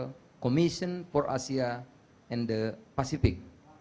dan juga dengan komisi sosial asia dan pasifik